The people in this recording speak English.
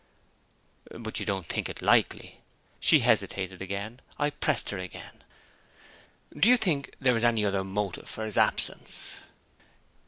"But you don't think it likely?" She hesitated again. I pressed her again. "Do you think there is any other motive for his absence?"